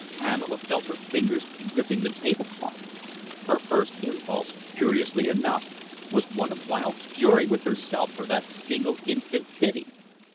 Pamela felt her fingers gripping the tablecloth. Her first impulse, curiously enough, was one of wild fury with herself for that single instant's pity.